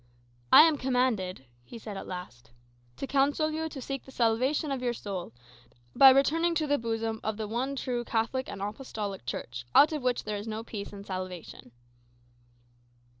"I am commanded," he said at last, "to counsel you to seek the salvation of your soul, by returning to the bosom of the one true Catholic and Apostolic Church, out of which there is no peace and no salvation."